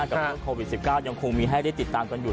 กับเรื่องโควิด๑๙ยังคงมีให้ได้ติดตามกันอยู่